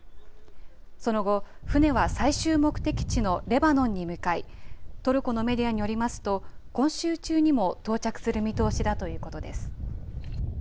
その後、船は最終目的地のレバノンに向かいトルコのメディアによりますと今週中にも到着する見通しだということです。